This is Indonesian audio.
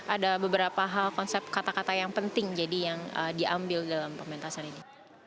ada beberapa hal konsep kata kata yang penting jadi yang diambil dalam pementasan ini